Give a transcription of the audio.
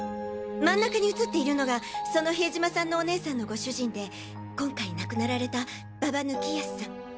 真ん中に写っているのがその塀島さんのお姉さんのご主人で今回亡くなられた馬場貫康さん。